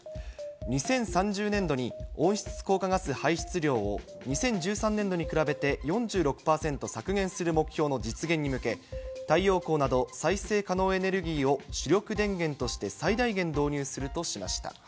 ２０３０年度に温室効果ガス排出量を２０１３年度に比べて４６％削減する目標の実現に向け、太陽光など再生可能エネルギーを主力電源として最大限導入するとしました。